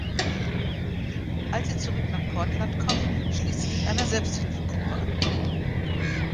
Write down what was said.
Als sie zurück nach Portland kommt, schließt sie sich einer Selbsthilfegruppe an.